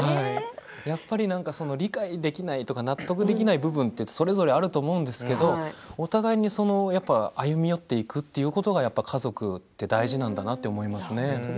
やっぱり理解できない納得できない部分ってそれぞれあると思うんですけどお互いに歩み寄っていくということが家族って大事なんだなと思いますね。